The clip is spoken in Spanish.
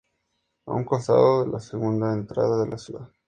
A un costado de la segunda entrada de la ciudad.